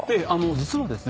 実はですね